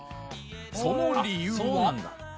その理由は